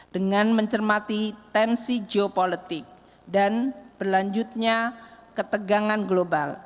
dengan mencermati tensi geopolitik dan berlanjutnya ketegangan global